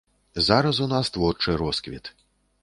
Зараз у нас творчы росквіт.